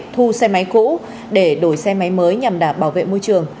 thu xe máy cũ để đổi xe máy mới nhằm đảm bảo vệ môi trường